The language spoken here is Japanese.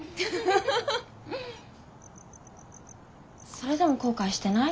それでも後悔してない？